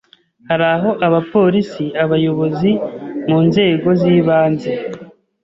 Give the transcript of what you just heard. hari aho abapolisi, abayobozi mu nzego z’ibanze